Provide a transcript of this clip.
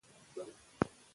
خلک به دا ومني.